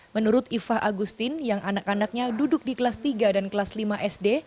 menurut ifah agustin yang anak anaknya duduk di kelas tiga dan kelas lima sd